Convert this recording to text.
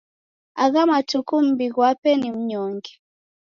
Agha matuku mumbi ghwape ni mnyonge.